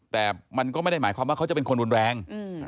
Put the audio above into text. แต่มันก็ไม่ได้หมายความว่าเขาจะเป็นคนรุนแรง